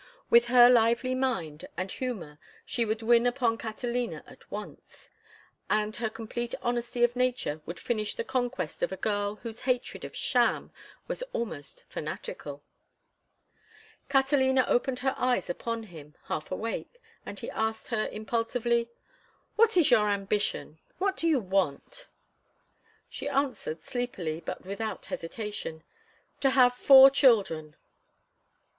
With her lively mind and humor she would win upon Catalina at once, and her complete honesty of nature would finish the conquest of a girl whose hatred of sham was almost fanatical. Catalina opened her eyes upon him, half awake, and he asked her, impulsively: "What is your ambition? What do you want?" She answered, sleepily, but without hesitation, "To have four children."